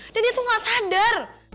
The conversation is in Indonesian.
dan dia tuh ga sadar